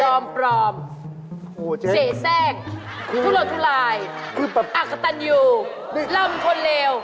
จอมปรอมเสศกทุรถุรายอักตันอยู่ล่ำคนเลว